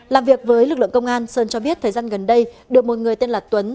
làm việc với lực lượng công an sơn cho biết thời gian gần đây được một người tên là tuấn